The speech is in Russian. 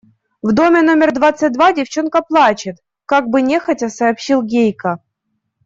В доме номер двадцать два девчонка плачет, – как бы нехотя сообщил Гейка.